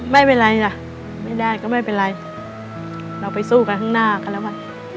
ไม่เป็นไรล่ะไม่ได้ก็ไม่เป็นไรเราไปสู้กันข้างหน้ากันแล้วกัน